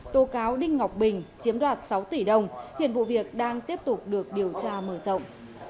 tố cáo đinh ngọc bình chiếm đoạt sáu tỷ đồng hiện vụ việc đang tiếp tục được điều tra mở rộng